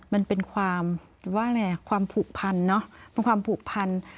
มันเป็นความผูกพันเนอะความผูกพัน